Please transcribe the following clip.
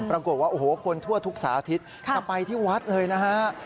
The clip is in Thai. ปรากฏว่าคนทั่วทุกสาธิตสร้างไปที่วัดเลยนะครับ